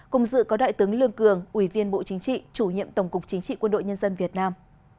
cùng dự có đại tướng lương cường ủy viên bộ chính trị chủ nhiệm tổng cục chính trị quân đội nhân dân việt nam